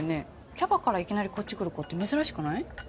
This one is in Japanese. キャバからいきなりこっち来る子って珍しくない？